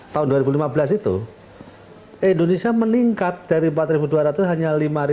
tahun dua ribu lima belas itu indonesia meningkat dari empat dua ratus hanya lima ratus